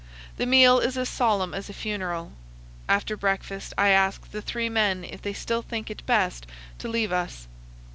The meal is as solemn as a funeral. After breakfast I ask the three men if they still think it best to leave us.